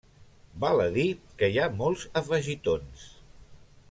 Val a dir que hi ha molts afegitons.